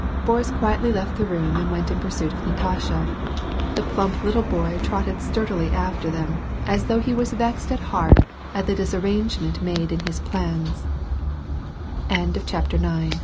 Boris quietly left the room and went in pursuit of Natasha ; the plump little boy trotted sturdily after them, as though he was vexed at heart at the disarrangement made in his pla